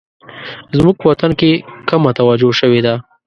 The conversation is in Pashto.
زموږ په وطن کې کمه توجه شوې ده